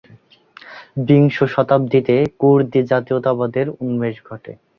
বিংশ শতাব্দীতে কুর্দি জাতীয়তাবাদের উন্মেষ ঘটে।